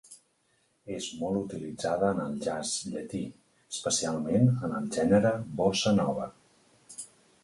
És molt utilitzada en el jazz llatí, especialment en el gènere bossa nova.